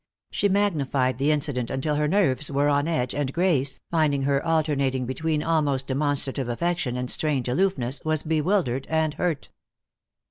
She magnified the incident until her nerves were on edge, and Grace, finding her alternating between almost demonstrative affection and strange aloofness, was bewildered and hurt.